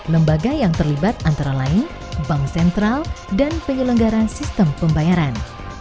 lembaga yang terlibat antara lain bank sentral dan penyelenggaran sistem pembayaran